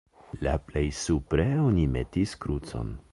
La plej supre oni metis krucon.